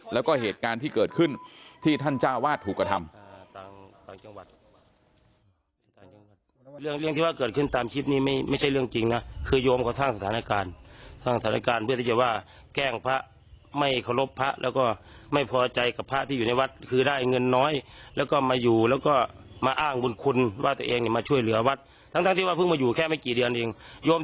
แล้วก็เหตุการณ์ที่เกิดขึ้นที่ท่านเจ้าวาดถูกกระทำ